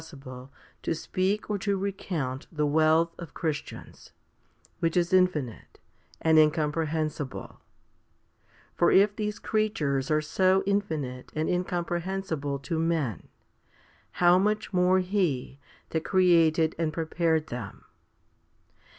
v. i. z Gal. iii. 28. 3 i Pet. i. 8. HOMILY XXXIV 245 sible to speak or to recount the wealth of Christians, which is infinite and incomprehensible. For if these creatures are so infinite and incomprehensible to men, how much more He that created and prepared them